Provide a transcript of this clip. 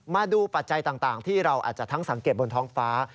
ปัจจัยต่างที่เราอาจจะทั้งสังเกตบนท้องฟ้า